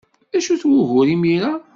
D acu-t wugur imir-a?